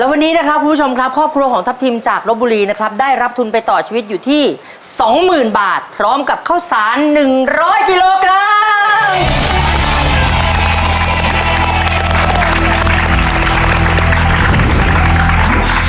วันนี้นะครับคุณผู้ชมครับครอบครัวของทัพทิมจากลบบุรีนะครับได้รับทุนไปต่อชีวิตอยู่ที่๒๐๐๐บาทพร้อมกับข้าวสาร๑๐๐กิโลกรัม